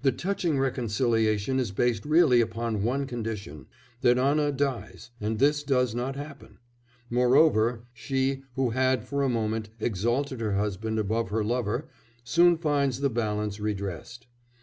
The touching reconciliation is based really upon one condition that Anna dies and this does not happen. Moreover she, who had, for a moment, exalted her husband above her lover, soon finds the balance redressed.